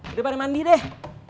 udah pade mandi deh